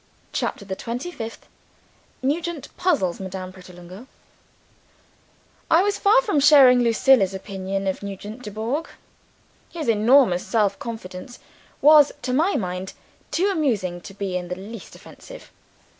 CHAPTER THE TWENTY FIFTH Nugent puzzles Madame Pratolungo I WAS far from sharing Lucilla's opinion of Nugent Dubourg. His enormous self confidence was, to my mind, too amusing to be in the least offensive.